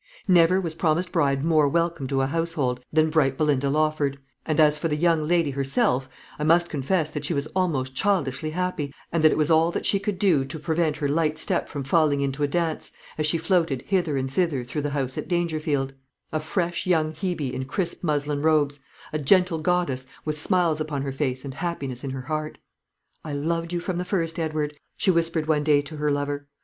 Never was promised bride more welcome to a household than bright Belinda Lawford; and as for the young lady herself, I must confess that she was almost childishly happy, and that it was all that she could do to prevent her light step from falling into a dance as she floated hither and thither through the house at Dangerfield, a fresh young Hebe in crisp muslin robes; a gentle goddess, with smiles upon her face and happiness in her heart. "I loved you from the first, Edward," she whispered one day to her lover.